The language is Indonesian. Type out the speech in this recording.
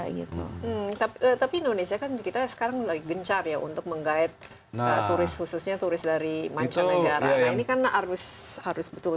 gitu tapi indonesia kan kita sekarang lagi gencar ya untuk mengait turis khususnya turis dari manco